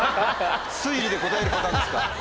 推理で答えるパターンですか。